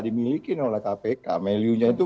dimiliki oleh kpk value nya itu